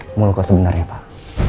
siapa pemilik muluknya sebenarnya pak